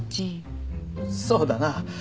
そうだなぁ。